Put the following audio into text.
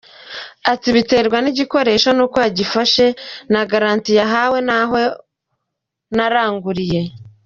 Ati : “Biterwa n’igikoresho n’uko yagifashe na garanti nahawe n’aho naranguriye.